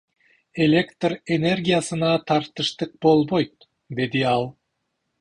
Электр энергиясына тартыштык болбойт, — деди ал.